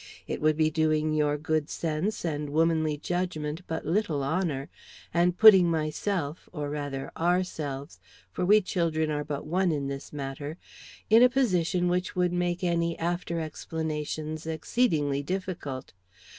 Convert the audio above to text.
It would be doing your good sense and womanly judgment but little honor, and putting myself, or, rather, ourselves for we children are but one in this matter in a position which would make any after explanations exceedingly difficult.